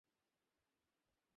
ভয় করছে আমার।